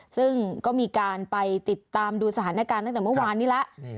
ซึ่งก็มีการไปติดตามดูสถานการณ์ตั้งแต่เมื่อวานนี้แล้ว